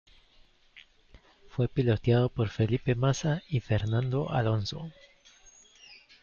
Fue pilotado por Felipe Massa y Fernando Alonso.